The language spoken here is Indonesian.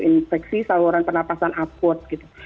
infeksi saluran penapasan apot gitu